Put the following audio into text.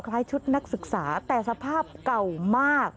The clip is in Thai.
ชุดนักศึกษาแต่สภาพเก่ามาก